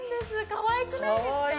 かわいくないですか？